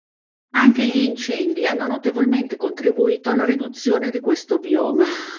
Anche gli incendi hanno notevolmente contribuito alla riduzione di questo bioma.